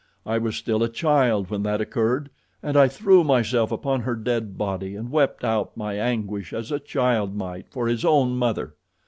I was still a child when that occurred, and I threw myself upon her dead body and wept out my anguish as a child might for his own mother.